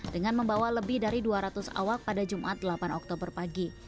dengan membawa lebih dari dua ratus awak pada jumat delapan oktober pagi